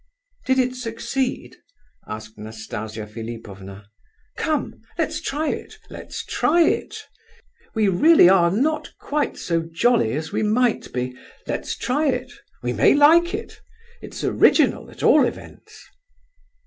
"Did it succeed?" asked Nastasia Philipovna. "Come, let's try it, let's try it; we really are not quite so jolly as we might be—let's try it! We may like it; it's original, at all events!"